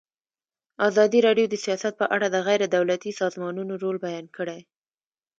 ازادي راډیو د سیاست په اړه د غیر دولتي سازمانونو رول بیان کړی.